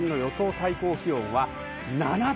最高気温は７度。